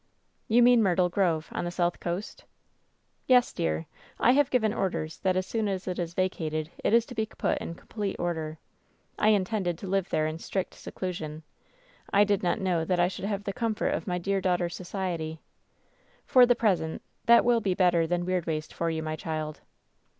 " ^You mean Myrtle Grove, on the south coast V " ^Yes, dear. I have given orders that as soon as it is vacated it is to be put in complete order. I intended to live there in strict seclusion. I did not know that I should have the comfort of my dear daughter's society. For the present, that will be better than Weirdwaste for you, my child.'